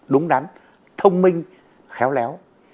đúng đắn thông minh khéo léo